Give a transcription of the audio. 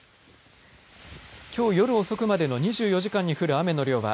きょう夜遅くまでの２４時間に降る雨の量は